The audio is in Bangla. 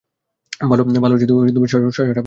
ভালো, শসাটা কারাতে জানে।